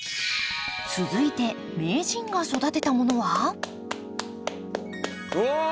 続いて名人が育てたものは？うわ！